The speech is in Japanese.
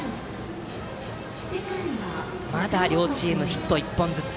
まだ両チーム、ヒット１本ずつ。